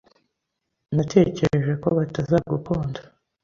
Natekereje ko batazagukunda.